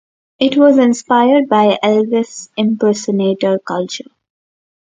It was inspired by Elvis Impersonator culture.